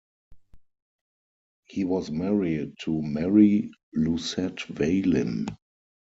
He was married to Marie-Lucette Valin.